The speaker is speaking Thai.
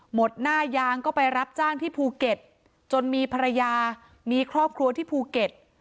หมดหน้ายางก็ไปรับจ้างที่ภูเก็ตจนมีภรรยามีครอบครัวที่ภูเก็ต